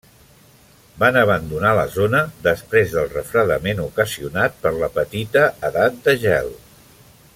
Van abandonar la zona després del refredament ocasionat per la petita edat de gel.